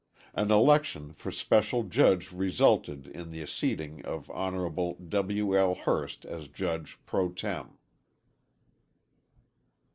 An election for special judge resulted in the seating of Hon. W. L. Hurst as judge pro tem.